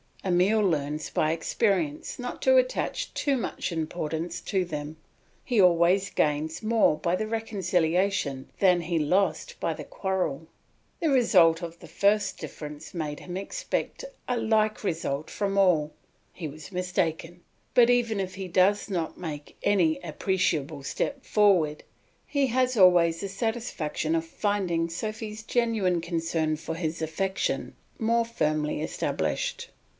Emile learns by experience not to attach too much importance to them, he always gains more by the reconciliation than he lost by the quarrel. The results of the first difference made him expect a like result from all; he was mistaken, but even if he does not make any appreciable step forward, he has always the satisfaction of finding Sophy's genuine concern for his affection more firmly established.